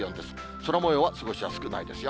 空もようは過ごしやすくないですよ。